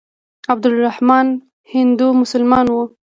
عبدالرحمن هندو مسلمان وو.